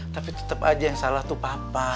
tapi tetep aja yang salah itu papa